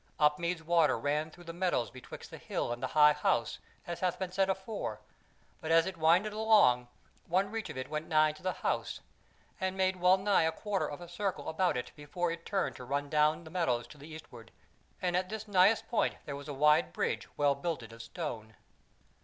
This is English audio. Upmeads water ran through the meadows betwixt the hill and the High House, as hath been said afore; but as it winded along, one reach of it went nigh to the House, and made wellnigh a quarter of a circle about it before it turned to run down the meadows to the eastward; and at this nighest point was there a wide bridge well builded of stone.